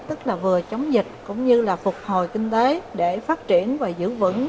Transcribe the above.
tức là vừa chống dịch cũng như là phục hồi kinh tế để phát triển và giữ vững